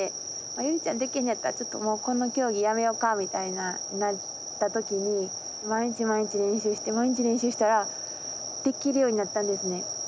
「ゆりちゃんできんのやったらちょっとこの競技やめようか」みたいななった時に毎日毎日練習して毎日練習したらできるようになったんですね。